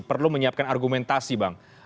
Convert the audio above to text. perlu menyiapkan argumentasi bang